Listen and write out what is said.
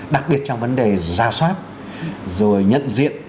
đặc biệt trong vấn đề ra soát rồi nhận diện